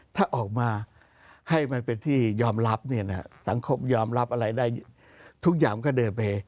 ถ้าออกมาให้มันเป็นที่ยอมรับสังคมยอมรับอะไรได้ทุกอย่างก็เดินไป